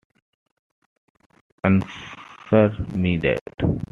Answer me that.